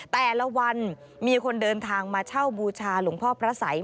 แต่ละวันมีคนเดินทางมาเช่าบูชาหลวงพ่อพระสัย